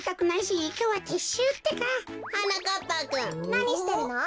なにしてるの？